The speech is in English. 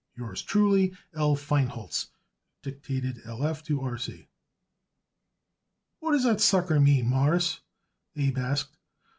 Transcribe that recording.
Yours truly, L. FEINHOLZ. Dic LF to RC "What does that sucker mean, Mawruss?" Abe asked.